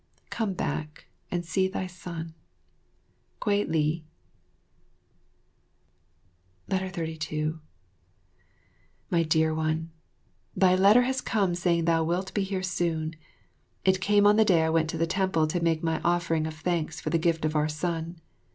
Come back and see thy son. Kwei li. 32 My Dear One, Thy letter has come saying thou wilt be here soon. It came on the day I went to the temple to make my offering of thanks for the gift of our son.